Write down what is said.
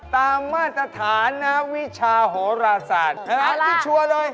ตามสถานะวิชาโหราศาสตร์เอาล่ะที่ชัวร์เลย